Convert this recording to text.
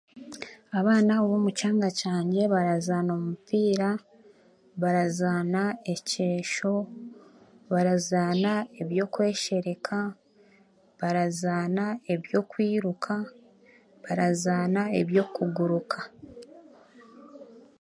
Abaana b'omukyanga kyangye barazaana omupira, barazaana ekyeesho, barazaana eby'okweshereka, barazaana eby'okwiiruka, barazaana eby'okuguruka.